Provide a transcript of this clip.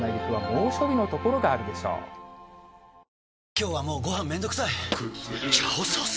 今日はもうご飯めんどくさい「炒ソース」！？